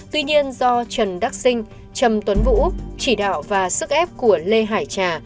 tuy nhiên do trần đắc sinh trầm tuấn vũ chỉ đạo và sức ép của lê hải trà